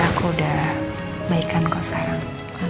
aku udah baikan kok sekarang